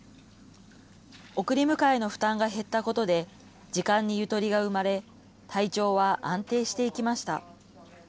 送り迎えの負担が減ったことで、時間にゆとりが生まれ、体調は安定していきました。